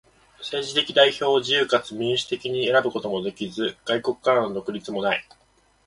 政治的代表を自由かつ民主的に選ぶこともできず、外国からの独立もない。